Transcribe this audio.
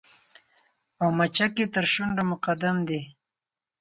او مچکې تر شونډو مقدم دې